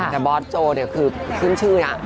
แต่บอสโจเนี่ยคือขึ้นชื่อนะ